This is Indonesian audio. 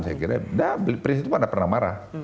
saya kira presiden itu mana pernah marah